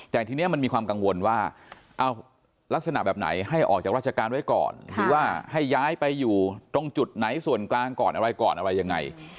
แต่ทีนี้มันมีความกังวลว่าลักษณะแบบไหนให้ออกจากราชการไว้ก่อนหรือว่าให้ย้ายไปอยู่ตรงจุดไหนส่วนกลางก่อนอะไรก่อนอะไรยังไง